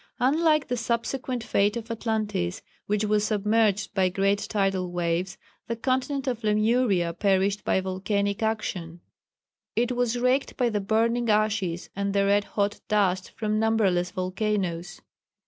] Unlike the subsequent fate of Atlantis, which was submerged by great tidal waves, the continent of Lemuria perished by volcanic action. It was raked by the burning ashes and the red hot dust from numberless volcanoes.